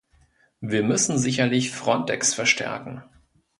Wir müssen sicherlich Frontex verstärken.